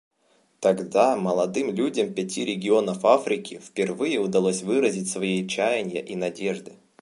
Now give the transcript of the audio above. Тогда молодым людям пяти регионов Африки впервые удалось выразить свои чаяния и надежды.